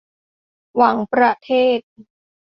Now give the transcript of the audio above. หวังประเทศ